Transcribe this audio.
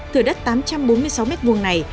thửa đất tám trăm bốn mươi sáu m hai này